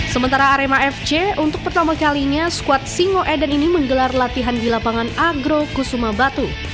sementara arema fc untuk pertama kalinya skuad singoeden ini menggelar latihan di lapangan agro kusuma batu